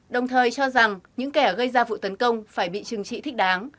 đồng thời cho rằng những kẻ gây ra vụ tấn công phải bị trừng trị thích đáng